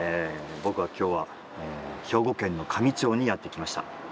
僕は今日は兵庫県の香美町にやって来ました。